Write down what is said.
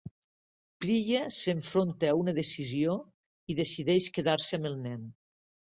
Priya s'enfronta a una decisió i decideix quedar-se amb el nen.